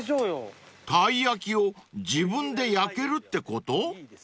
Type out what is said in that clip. ［たい焼きを自分で焼けるってこと？］